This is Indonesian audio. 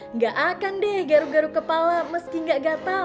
nggak akan deh garu garu kepala meski nggak gatal